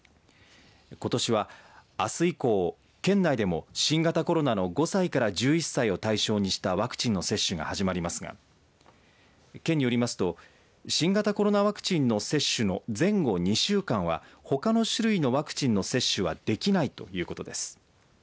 ことしは、あす以降県内でも新型コロナの５歳から１１歳を対象にしたワクチンの接種が始まりますが県によりますと新型コロナワクチンの接種の前後２週間はほかの種類のワクチンの接種はできないということです。